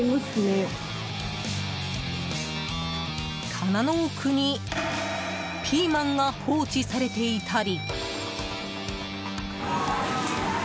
棚の奥にピーマンが放置されていたり。